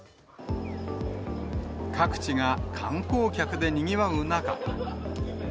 各地が観光客でにぎわう中。